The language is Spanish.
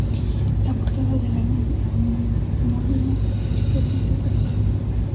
La portada del álbum homónimo representa esta canción.